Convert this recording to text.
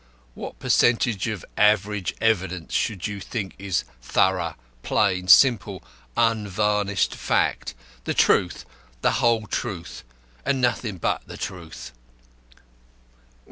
What percentage of average evidence should you think is thorough, plain, simple, unvarnished fact, 'the truth, the whole truth, and nothing but the truth'?"